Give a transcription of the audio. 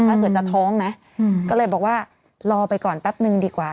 ถ้าเกิดจะท้องนะก็เลยบอกว่ารอไปก่อนแป๊บนึงดีกว่า